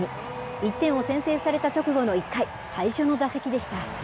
１点を先制された直後の１回、最初の打席でした。